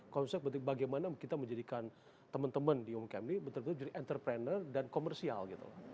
konsep bagaimana kita menjadikan teman teman di umkm ini betul betul jadi entrepreneur dan komersial gitu